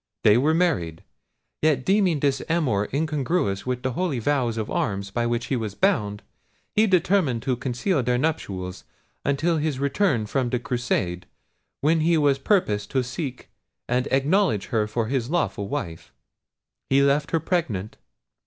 They were married. Yet deeming this amour incongruous with the holy vow of arms by which he was bound, he determined to conceal their nuptials until his return from the Crusade, when he purposed to seek and acknowledge her for his lawful wife. He left her pregnant.